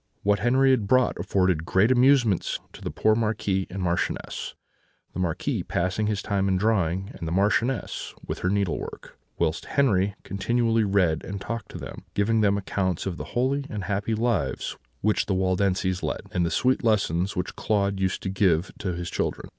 "What Henri had brought afforded great amusement to the poor Marquis and Marchioness; the Marquis passing his time in drawing, and the Marchioness with her needlework, whilst Henri continually read and talked to them, giving them accounts of the holy and happy lives which the Waldenses led, and the sweet lessons which Claude used to give to his children.